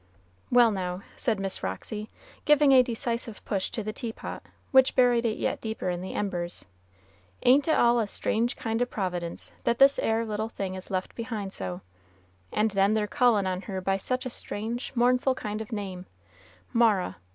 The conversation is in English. "Well, now," said Miss Roxy, giving a decisive push to the tea pot, which buried it yet deeper in the embers, "ain't it all a strange kind o' providence that this 'ere little thing is left behind so; and then their callin' on her by such a strange, mournful kind of name, Mara.